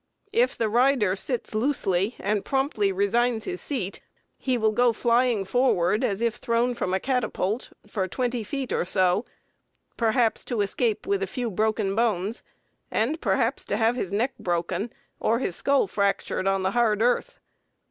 If the rider sits loosely, and promptly resigns his seat, he will go flying forward, as if thrown from a catapult, for 20 feet or so, perhaps to escape with a few broken bones, and perhaps to have his neck broken, or his skull fractured on the hard earth.